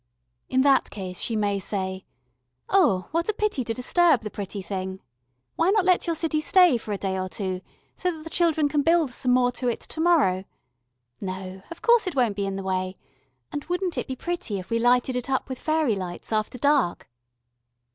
In that case she may say "Oh! what a pity to disturb the pretty thing! Why not let your city stay for a day or two, so that the children can build some more to it to morrow. No, of course it won't be in the way and wouldn't it be pretty if we lighted it up with fairy lights after dark?"